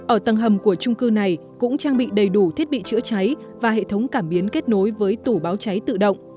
ở tầng hầm của trung cư này cũng trang bị đầy đủ thiết bị chữa cháy và hệ thống cảm biến kết nối với tủ báo cháy tự động